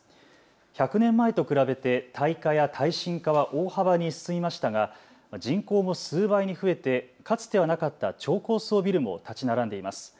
１００年前と比べて耐火や耐震化は大幅に進みましたが人口も数倍に増えてかつてはなかった超高層ビルも建ち並んでいます。